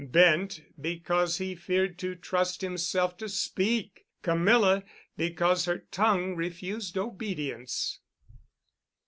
Bent, because he feared to trust himself to speak—Camilla, because her tongue refused obedience.